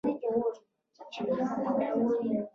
د مخالفینو مشري د عبدالله نوري پر غاړه وه.